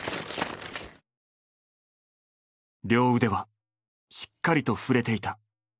両腕はしっかりと振れていた。